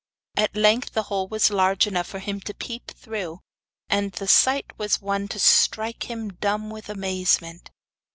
At length the hole was large enough for him to peep through, and the sight was one to strike him dumb with amazement.